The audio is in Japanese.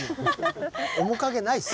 面影ないっす。